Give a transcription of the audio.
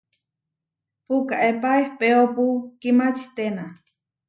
Puʼkaépa ehpéopu kimačiténa.